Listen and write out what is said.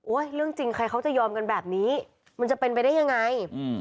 เรื่องจริงใครเขาจะยอมกันแบบนี้มันจะเป็นไปได้ยังไง